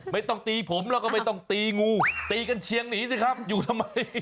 ไม่ต้องตีผมแล้วก็ไม่ต้องตีงูตีกันเชียงหนีสิครับอยู่ทำไม